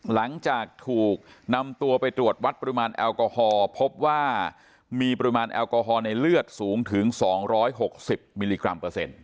หลังจากถูกนำตัวไปตรวจวัดปริมาณแอลกอฮอลพบว่ามีปริมาณแอลกอฮอล์ในเลือดสูงถึง๒๖๐มิลลิกรัมเปอร์เซ็นต